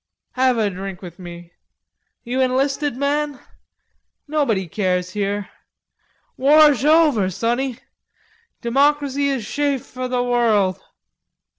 Have a drink with me.... You enlisted man? Nobody cares here.... Warsh over, Sonny.... Democracy is shafe for the world."